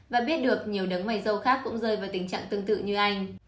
và biết được nhiều đấng mày dâu khác cũng rơi vào tình trạng tương tự như anh